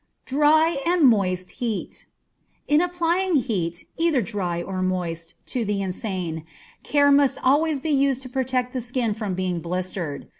Dry and Moist Heat. In applying heat, either dry or moist, to the insane, care must always be used to protect the skin from being blistered.